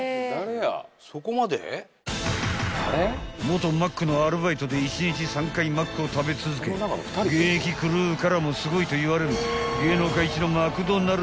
［元マックのアルバイトで１日３回マックを食べ続け現役クルーからもすごいと言われる］